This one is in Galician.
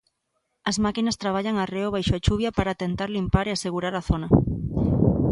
As máquinas traballan arreo baixo a chuvia para tentar limpar e asegurar a zona.